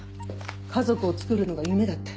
家族をつくるのが夢だって。